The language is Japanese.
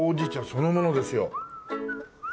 そのものですよ。